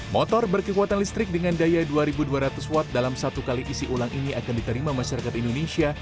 motor berkekuatan listrik dengan daya dua dua ratus watt dalam satu kali isi ulang ini akan diterima masyarakat indonesia